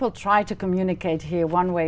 nó tùy vào những gì các bạn muốn làm